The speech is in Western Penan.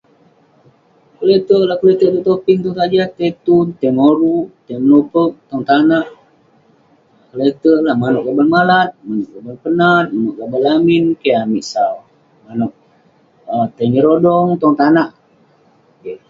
Leterk lah tai keleterk tong topin, tong tajah, tai tun, tai moruk, tai, [unintelligible] tong tanak. Leterk lah, manouk gaban malat, manouk gaban penat, manouk gaban lamin. Keh amik sau. [unintelligible] um Tai nyerodong tong tanak. Keh.